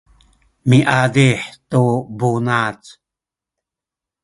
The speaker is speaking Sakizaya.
miazih tu bunac